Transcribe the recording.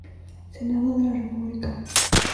Senado de la República.